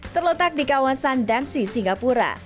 terletak di kawasan damsi singapura